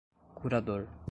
curador